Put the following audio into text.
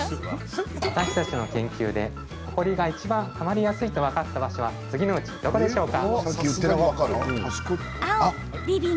私たちの研究でほこりがいちばんたまりやすいと分かった場所は次のうち、どこでしょうか？